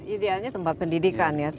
idealnya tempat pendidikan ya